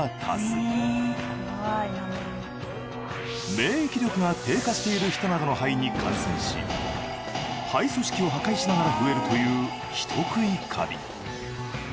免疫力が低下している人などの肺に感染し肺組織を破壊しながら増えるという人食いカビ。